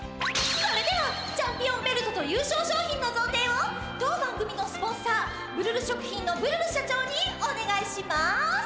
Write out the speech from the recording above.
それではチャンピオンベルトと優勝賞品のぞうていを当番組のスポンサーブルル食品のブルル社長におねがいします！